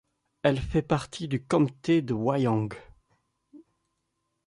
Elle fait partie du comté de Wyong.